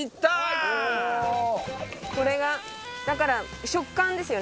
仲：これが、だから食感ですよね。